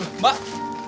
loh mbak loh